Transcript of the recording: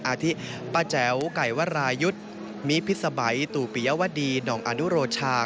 อาทิป้าแจ๋วไก่วรายุทธ์มีพิษบัยตู่ปิยวดีหน่องอนุโรชา